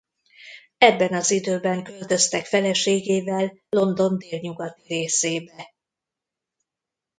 Ebben az időben költöztek feleségével London délnyugati részébe.